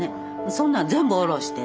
そんなん全部下ろしてね